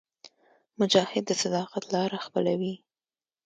مجاهد د صداقت لاره خپلوي.